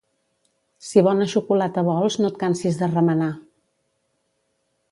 Si bona xocolata vols no et cansis de remenar.